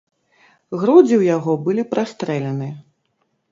Грудзі ў яго былі прастрэлены.